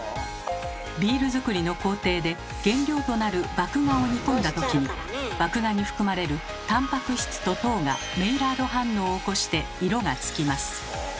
ビール造りの工程で原料となる麦芽を煮込んだ時に麦芽に含まれるタンパク質と糖がメイラード反応を起こして色がつきます。